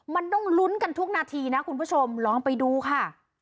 มันต้องลุ้นกันทุกนาทีนะคุณผู้ชมลองไปดูค่ะ